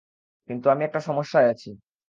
কিন্তু আমি একটা সমস্যায় আছি।